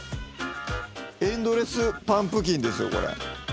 エンドレスパンプキンですよこれ。